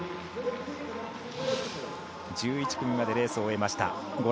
１１組までレースを終えました。